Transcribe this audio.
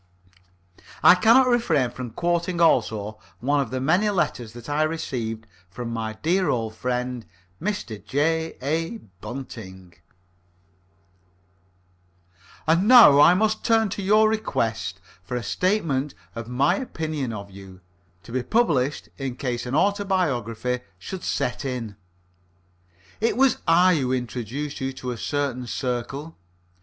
I cannot refrain from quoting also one of the many letters that I received from my dear old friend, Mr. J. A. Bunting: "And now I must turn to your request for a statement of my opinion of you, to be published in case an autobiography should set in. It was I who introduced you to a certain circle.